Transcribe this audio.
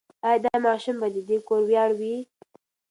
ایا دا ماشوم به د دې کور ویاړ وي؟